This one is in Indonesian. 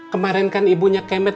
kemarin kan ibunya kemet